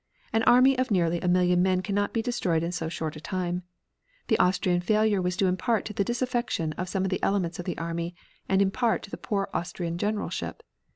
An army of nearly a million men cannot be destroyed in so short a time. The Austrian failure was due in part to the disaffection of some of the elements of the army, and in part to the poor Austrian generalship.